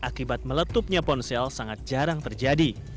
akibat meletupnya ponsel sangat jarang terjadi